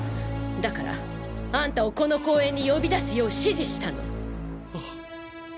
だからあんたをこの公園に呼び出すよう指示したの！